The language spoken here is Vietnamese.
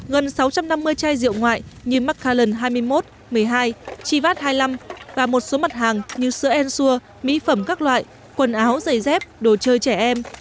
gần sáu trăm năm mươi chai rượu ngoại như mcalland hai mươi một một mươi hai chivat hai mươi năm và một số mặt hàng như sữa ensur mỹ phẩm các loại quần áo giày dép đồ chơi trẻ em